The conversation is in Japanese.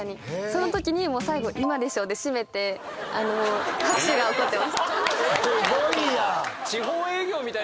そのときに最後「今でしょ」で締めて拍手が起こってました。